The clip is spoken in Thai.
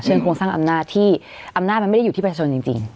โครงสร้างอำนาจที่อำนาจมันไม่ได้อยู่ที่ประชาชนจริง